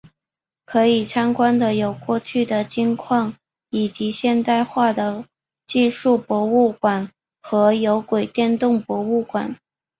可以参观的有过去的金矿以及现代化的技术博物馆和有轨电车博物馆。